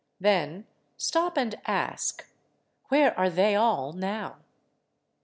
Then stop and ask, Where are they all now?